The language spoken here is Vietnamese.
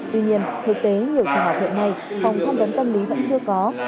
tuy nhiên thực tế nhiều trường học hiện nay phòng không vấn tâm lý vẫn chưa có